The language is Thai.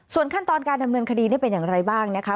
ส่วนขั้นตอนการดำเนินคดีนี่เป็นอย่างไรบ้างนะคะ